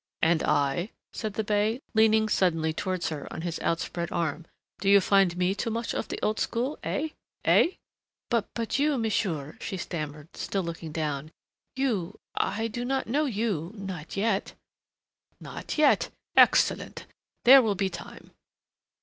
"And I?" said the bey, leaning suddenly towards her on his outspread arm. "Do you find me too much of the old school? Eh? eh?" "But you, monsieur," she stammered, still looking down, "you I do not know you not yet." "Not yet. Excellent! There will be time."